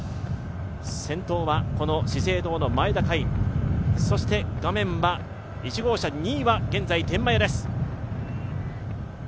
先頭は資生堂の前田海音、そして画面は１号車、２位は現在、天満屋です。